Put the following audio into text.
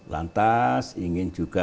lantas ingin juga